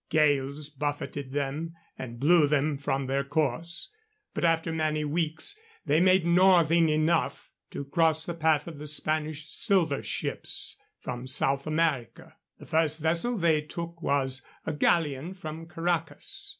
Gales buffeted them and blew them from their course, but after many weeks they made northing enough to cross the path of the Spanish silver ships from South America. The first vessel they took was a galleon from Caracas.